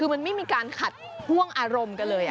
คือมันไม่มีการขัดห่วงอารมณ์กันเลย